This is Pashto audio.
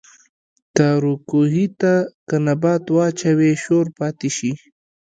تاروۀ کوهي ته کۀ نبات واچوې شور پاتې شي